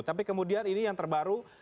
tapi kemudian ini yang terbaru